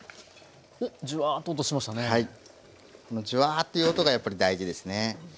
ジュワーッという音がやっぱり大事ですね。